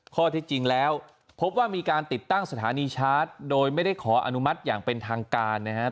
ข้อที่จริงแล้วพบว่ามีการติดตั้งสถานีชาร์จโดยไม่ได้ขออนุมัติอย่างเป็นทางการนะครับ